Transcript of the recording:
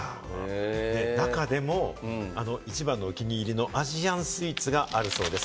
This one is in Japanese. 中でも一番のお気に入りのアジアンスイーツがあるそうです。